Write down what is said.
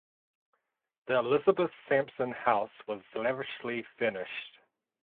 The Elisabeth Samson House was lavishly furnished.